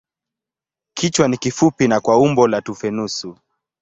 Kichwa ni kifupi na kwa umbo la tufe nusu.